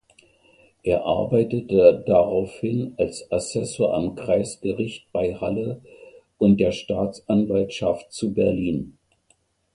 Er arbeitete daraufhin als Assessor am Kreisgericht bei Halle und der Staatsanwaltschaft zu Berlin.